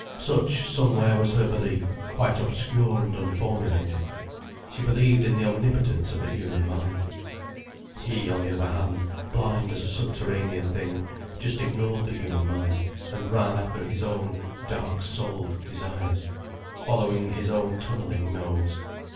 Such, somewhere, was her belief, quite obscure and unformulated. She believed in the omnipotence of the human mind. He, on the other hand, blind as a subterranean thing, just ignored the human mind and ran after his own dark souled desires, following his own tunnelling nose.